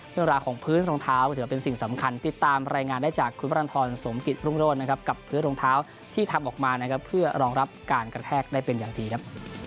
เรื่องราวของพื้นรองเท้าถือเป็นสิ่งสำคัญติดตามรายงานได้จากคุณพระรันทรสมกิจรุ่งโรธนะครับกับพื้นรองเท้าที่ทำออกมานะครับเพื่อรองรับการกระแทกได้เป็นอย่างดีครับ